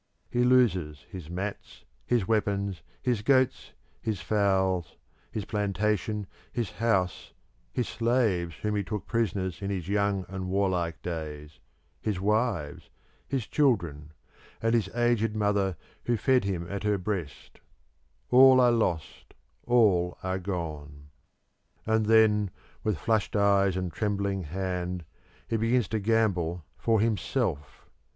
He loses his mats, his weapons, his goats, his fowls, his plantation, his house, his slaves whom he took prisoners in his young and warlike days, his wives, his children, and his aged mother who fed him at her breast all are lost, all are gone. And then, with flushed eyes and trembling hand, he begins to gamble for himself.